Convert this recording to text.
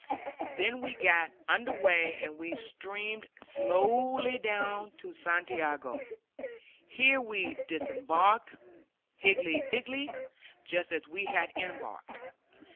Then the fleet got under way, and we steamed slowly down to Santiago. Here we disembarked, higgledy piggledy, just as we had embarked.